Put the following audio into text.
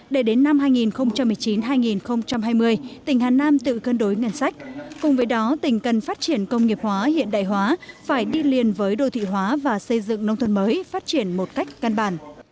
để đến năm hai nghìn một mươi chín hai nghìn hai mươi tỉnh hà nam tự cân đối ngân sách cùng với đó tỉnh cần phát triển công nghiệp hóa hiện đại hóa phải đi liền với đô thị hóa và xây dựng nông thôn mới phát triển một cách căn bản